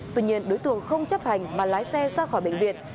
tuy nhiên đối tượng không chấp hành mà lái xe ra khỏi bệnh viện